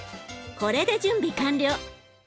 これで準備完了！